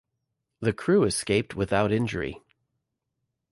The crew escaped without injury.